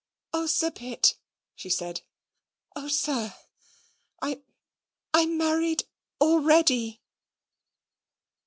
"Oh, Sir Pitt!" she said. "Oh, sir I I'm married ALREADY."